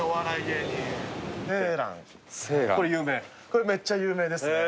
これめっちゃ有名ですね。